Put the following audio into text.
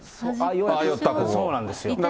そうなんですよ。